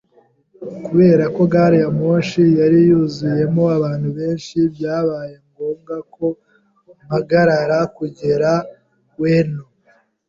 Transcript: Kubera ko gari ya moshi yari yuzuyemo abantu benshi, byabaye ngombwa ko mpagarara kugera Ueno.